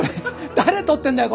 誰撮ってんだよ